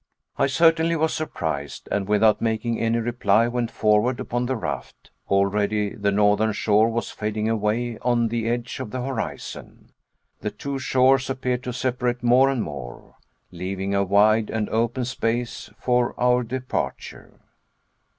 I certainly was surprised, and without making any reply went forward upon the raft. Already the northern shore was fading away on the edge of the horizon. The two shores appeared to separate more and more, leaving a wide and open space for our departure.